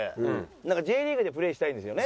なんかＪリーグでプレーしたいんですよね？